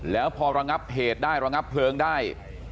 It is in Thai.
แล้วพอระงับเหตุได้ระงับเพลิงได้